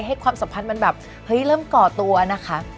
ให้ความสัมพันธ์มันแบบเริ่มเกาะตัวนะคะ